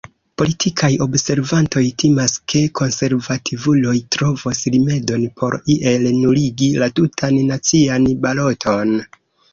Politikaj observantoj timas, ke konservativuloj trovos rimedon por iel nuligi la tutan nacian baloton.